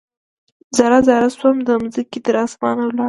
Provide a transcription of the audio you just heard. ذره ، ذره شومه د مځکې، تراسمان ولاړمه